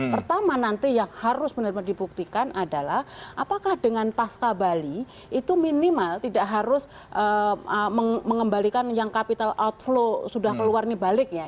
pertama nanti yang harus benar benar dibuktikan adalah apakah dengan pasca bali itu minimal tidak harus mengembalikan yang capital outflow sudah keluar nih baliknya